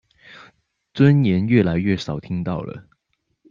尊嚴越來越少聽到了